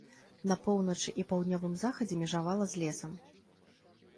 На поўначы і паўднёвым захадзе межавала з лесам.